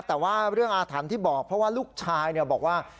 แต่ว่าเรื่องอาถรรพ์ที่บอกเพราะว่าลูกชายบอกว่า